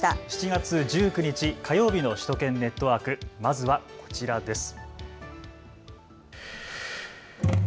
７月１９日、火曜日の首都圏ネットワーク、まずはこちらです。